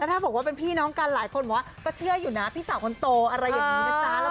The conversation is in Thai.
ถ้าบอกว่าเป็นพี่น้องกันหลายคนบอกว่าก็เชื่ออยู่นะพี่สาวคนโตอะไรอย่างนี้นะจ๊ะ